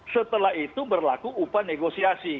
setelah itu berlaku upah negosiasi